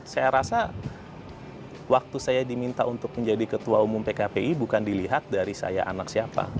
saya rasa waktu saya diminta untuk menjadi ketua umum pkpi bukan dilihat dari saya anak siapa